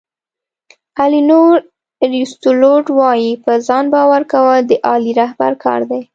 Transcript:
الینور روسیولوټ وایي په ځان باور کول د عالي رهبر کار دی.